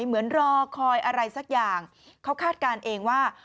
เหมือนรอคอยอะไรสักอย่างเขาคาดการณ์เองว่า